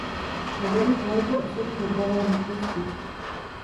Moderní kvalitní osobní doprava je nutností.